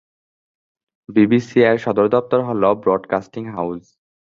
BBC এর সদর দপ্তর হলো "ব্রডকাস্টিং হাউস"।